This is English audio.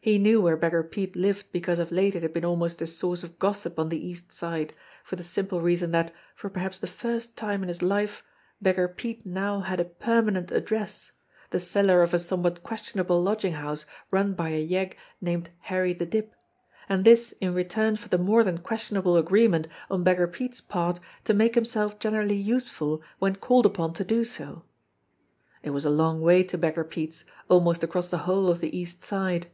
He knew where Beggar Pete lived because of late it had been almost a source of gos^ sip on the East Side, for the simple reason that, for perhaps the first time in his life, Beggar Pete now had a permanent address the cellar of a somewhat questionable lodging house run by a yegg named Harry the Dip and this in return for the more than questionable agreement on Beggar Pete's part to make himself generally useful when called upon to do so ! It was a long way to Beggar Pete's almost across the whole of the East Side.